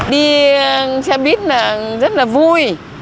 đi xe buýt là rất là vui